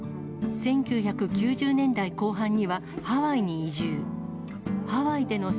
１９９０年代後半にはハワイに移住。